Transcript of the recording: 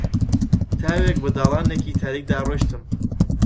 تاوێک بە داڵانێکی تاریکدا ڕۆیشتم